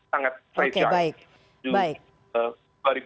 sangat fragile oke baik